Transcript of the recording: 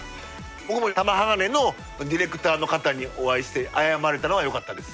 僕も玉鋼のディレクターの方にお会いして謝れたのはよかったです。